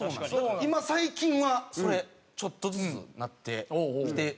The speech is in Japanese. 今最近はそれちょっとずつなってきてまして。